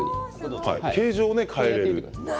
形状を変えられる。